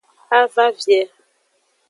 A va vie.